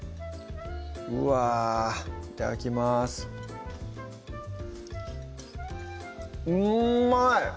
うわいただきますうまい！